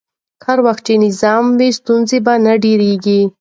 هر وخت چې نظم وي، ستونزې به نه ډېرېږي.